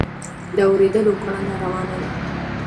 د اورېدلو کړنه روانه ده.